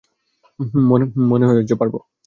হুম, মনেহয় পারবো।